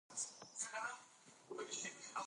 اداري اصلاحات باید دوامداره وي چې ثبات رامنځته کړي